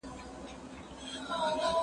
کتابونه وړه!